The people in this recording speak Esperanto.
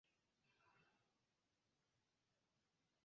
Ĝi estas simila laŭ formo al iom pli malgranda Malgranda muŝkaptulo.